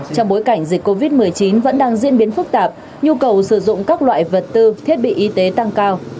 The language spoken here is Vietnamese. trong bối cảnh dịch covid một mươi chín vẫn đang diễn biến phức tạp nhu cầu sử dụng các loại vật tư thiết bị y tế tăng cao